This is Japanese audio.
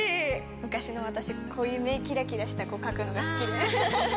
昔の私、こういう目、きらきらした子描くのが好きで。